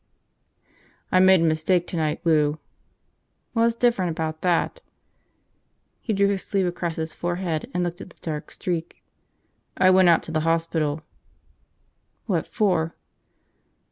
"I made a mistake tonight, Lou." "What's different about that?" He drew his sleeve across his forehead and looked at the dark streak. "I went out to the hospital." "What for?"